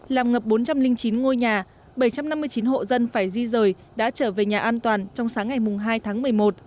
làm ngập bốn trăm linh chín ngôi nhà bảy trăm năm mươi chín hộ dân phải di rời đã trở về nhà an toàn trong sáng ngày hai tháng một mươi một